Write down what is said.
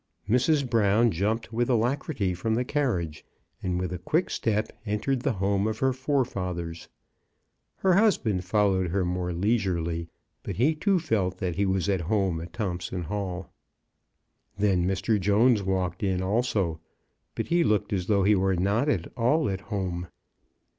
Mrs. Brown jumped with alacrity from the carriage, and with a quick step entered the home of her forefathers. Her husband fol lowed her more leisurely ; but he too felt that he was at home at Thompson Hall. Then Mr. Jones walked in also ; but he looked as though he were not at all at home.